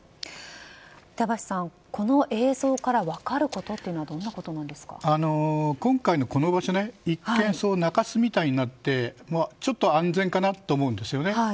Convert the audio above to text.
板橋さん、この映像から分かることっていうのは今回のこの場所、一見中洲みたいになって安全かなと思うんですよね。